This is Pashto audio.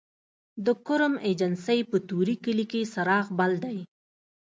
د کرم ایجنسۍ په طوري کلي کې څراغ بل دی